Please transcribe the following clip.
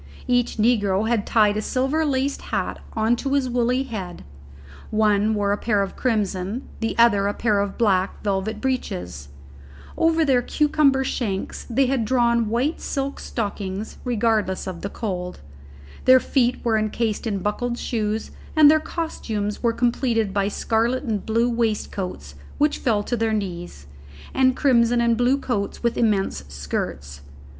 Each negro had tied a silver laced hat on to his woolly head; one wore a pair of crimson, the other a pair of black, velvet breeches; over their cucumber shanks they had drawn white silk stockings, regardless of the cold; their feet were encased in buckled shoes, and their costumes were completed by scarlet and blue waistcoats which fell to their knees, and crimson and blue coats with immense skirts.